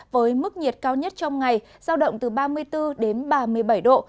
với mức nhiệt cao nhất trong ngày giao động từ ba mươi bốn đến ba mươi bảy độ